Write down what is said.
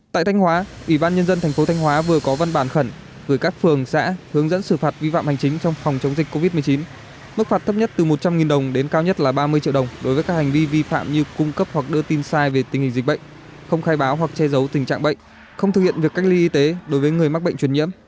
tại thanh hóa ủy ban nhân dân tp thanh hóa vừa có văn bản khẩn với các phường xã hướng dẫn xử phạt vi phạm hành chính trong phòng chống dịch covid một mươi chín